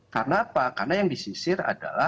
karena apa karena yang disisir adalah